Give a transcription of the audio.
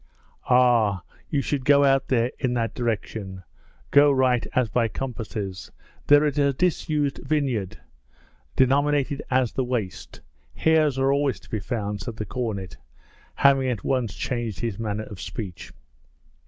'Ah, you should go out there in that direction, go right as by compasses, there in a disused vineyard denominated as the Waste, hares are always to be found,' said the cornet, having at once changed his manner of speech.